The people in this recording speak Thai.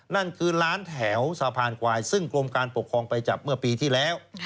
นั่นคือร้านแถวสะพานควายซึ่งกรมการปกครองไปจับเมื่อปีที่แล้ว